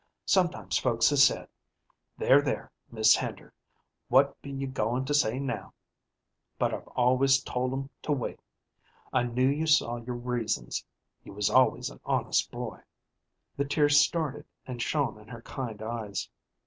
Sometimes folks has said, 'There, there, Mis' Hender, what be you goin' to say now?' but I've always told 'em to wait. I knew you saw your reasons. You was always an honest boy." The tears started and shone in her kind eyes.